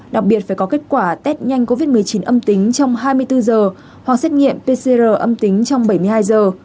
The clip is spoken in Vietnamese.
đặc biệt phải có kết quả test nhanh covid một mươi chín âm tính trong hai mươi bốn giờ hoặc xét nghiệm pcr âm tính trong bảy mươi hai giờ